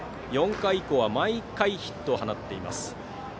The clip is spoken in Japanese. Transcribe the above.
４回以降は毎回ヒットを放っています。